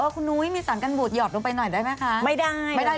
คุณนุ๊ยมีสารกันบูดหยอดลงไปหน่อยได้มั้ยคะ